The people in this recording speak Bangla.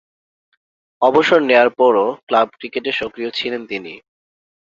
অবসর নেয়ার পরও ক্লাব ক্রিকেটে সক্রিয় ছিলেন তিনি।